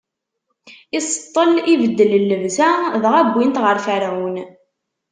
Iseṭṭel, ibeddel llebsa, dɣa wwin-t ɣer Ferɛun.